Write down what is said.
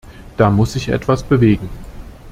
Da muss sich etwas bewegen.